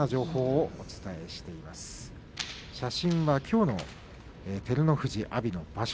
写真はきょうの照ノ富士阿炎の場所